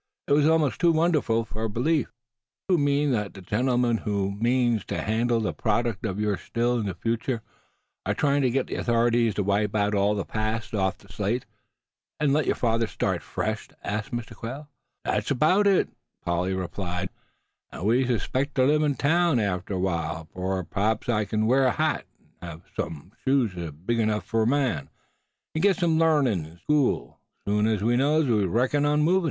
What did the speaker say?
It was almost too wonderful for belief. "Do you mean that the gentlemen who mean to handle the product of your Still in the future are trying to get the authorities to wipe all the past off the slate, and let your father start fresh?" asked Mr. Quail. "Thems erbout hit, suh," Polly replied, nodding her head. "Hand we uns 'spect ter live in town arter this, whar p'raps I kin wear a hat, an' hev sum shoes as hain't big ernuff fur a man, an' git some larnin' in school. Soon's as we knows, we reckons on movin'."